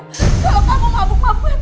kalau kamu mabuk mabuk